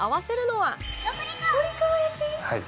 はい。